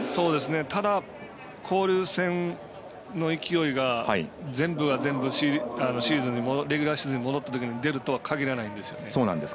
ただ、交流戦の勢いが全部が全部レギュラーシーズンに戻ったときに出るとは限らないんです。